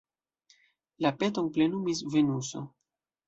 La peton plenumis Venuso.